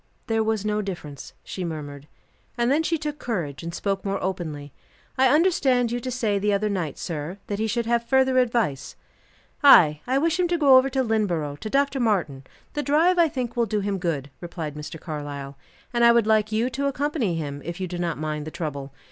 "There was no difference," she murmured, and then she took courage and spoke more openly. "I understood you to say the other night, sir, that he should have further advice." "Ay; I wish him to go over to Lynneborough, to Dr. Martin; the drive, I think, will do him good," replied Mr. Carlyle. "And I would like you to accompany him, if you do not mind the trouble.